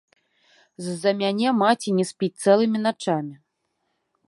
З-за мяне маці не спіць цэлымі начамі.